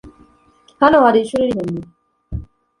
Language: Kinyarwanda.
hano hari ishuri ry'impumyi